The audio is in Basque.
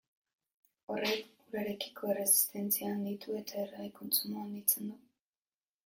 Horrek urarekiko erresistentzia handitu eta erregai kontsumoa handitzen du.